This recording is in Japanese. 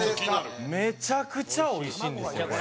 めちゃくちゃおいしいんですよこれ。